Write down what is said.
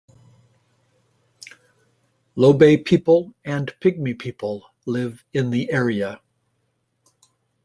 Lobaye people and Pygmy people live in the area.